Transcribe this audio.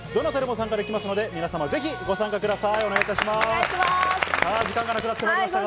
誰でも参加できますので皆さんぜひご参加ください。